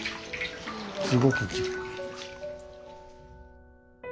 すごくきれい。